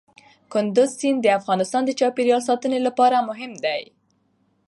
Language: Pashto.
کندز سیند د افغانستان د چاپیریال ساتنې لپاره مهم دي.